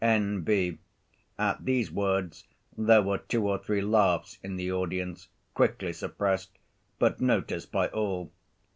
(N.B. At these words there were two or three laughs in the audience, quickly suppressed, but noticed by all.